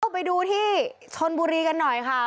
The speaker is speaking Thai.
ไปดูที่ชนบุรีกันหน่อยค่ะ